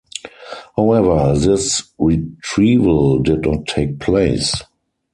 However this retrieval did not take place.